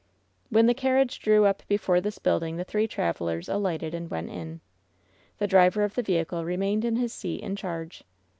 When the carriage drew up before this building the three travelers alighted and went in. The driver of the vehicle remained in his seat in charge.